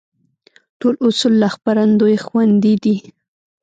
ټول اصول له خپرندوى خوندي دي.